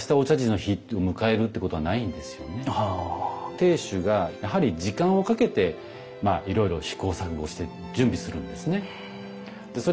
亭主がやはり時間をかけていろいろ試行錯誤をして準備するんですね。